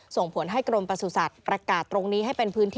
ส่งผลให้กรมประสุทธิ์ประกาศตรงนี้ให้เป็นพื้นที่